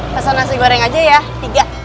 pesan nasi goreng aja ya tiga